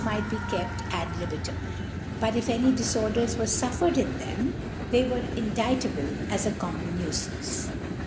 might be kept adlihiiumi but if any Dilbrders were luffercd in them, they were indiftable as a common Nuifance.